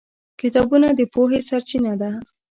کتابونه د پوهې سرچینه ده.